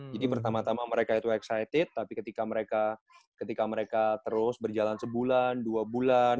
jadi pertama tama mereka itu excited tapi ketika mereka terus berjalan sebulan dua bulan